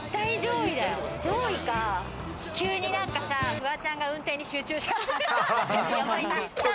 急に何かさ、フワちゃんが運転に集中し始めた。